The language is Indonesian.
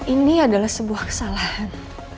ini adalah sebuah kesalahan